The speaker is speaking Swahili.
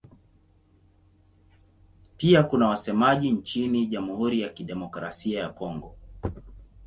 Pia kuna wasemaji nchini Jamhuri ya Kidemokrasia ya Kongo.